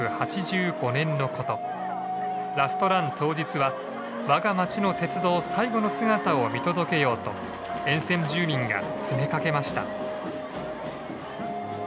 ラストラン当日は我が町の鉄道最後の姿を見届けようと沿線住民が詰めかけました。